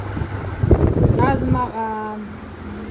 Яҙмаған!..